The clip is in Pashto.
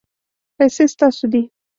پیسې ستاسو دي